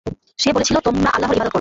সে বলেছিল, তোমরা আল্লাহর ইবাদত কর।